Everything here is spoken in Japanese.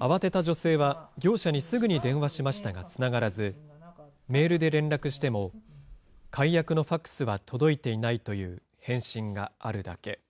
慌てた女性は業者にすぐに電話しましたがつながらず、メールで連絡しても、解約のファックスは届いていないという返信があるだけ。